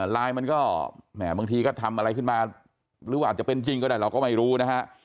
ไลน์มันก็แหมบางทีก็ทำอะไรขึ้นมาหรือว่าอาจจะเป็นจริงก็ได้เราก็ไม่รู้นะฮะ